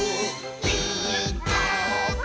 「ピーカーブ！」